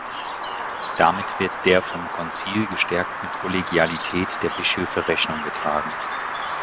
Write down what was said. Damit wird der vom Konzil gestärkten Kollegialität der Bischöfe Rechnung getragen.